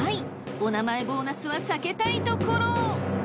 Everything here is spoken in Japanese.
お名前ボーナスは避けたいところ。